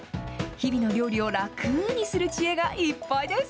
日々の料理を楽にする知恵がいっぱいです。